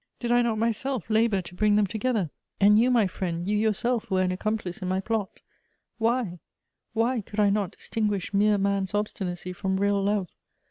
Did I not myself labor to bring them together ? And you, my friend, you yourself were an accomplice in my plot. Why, why, could I not distinguish mere man's obstinacy from real love